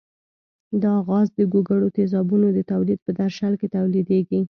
دا غاز د ګوګړو تیزابو د تولید په درشل کې تولیدیږي.